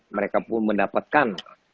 mereka pun mendapatkan